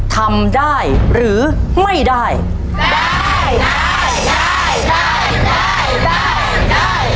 ทำได้หรือไม่ได้